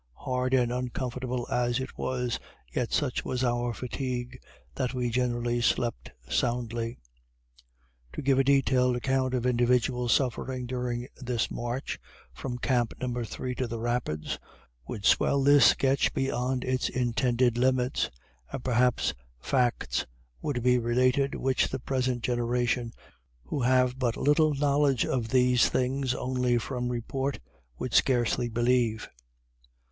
Hard and uncomfortable as it was, yet such was our fatigue that we generally slept soundly. To give a detailed account of individual suffering during this march, from camp No. 3 to the Rapids, would swell this sketch beyond its intended limits; and perhaps facts would be related which the present generation, who have but little knowledge of these things only from report, would scarcely believe.